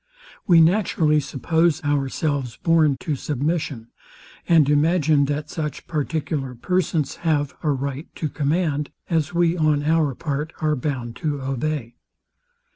We naturally suppose ourselves born to submission; and imagine, that such particular persons have a right to command, as we on our part are bound to obey.